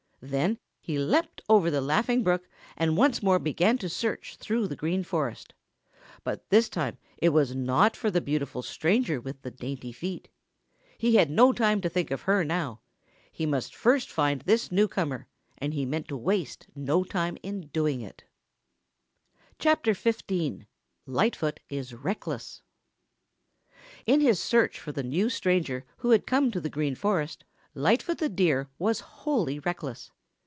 Then he leaped over the Laughing Brook and once more began to search through the Green Forest. But this time it was not for the beautiful stranger with the dainty feet. He had no time to think of her now. He must first find this newcomer and he meant to waste no time in doing it. CHAPTER XXXV LIGHTFOOT IS RECKLESS In his search for the new stranger who had come to the Green Forest, Lightfoot the Deer was wholly reckless.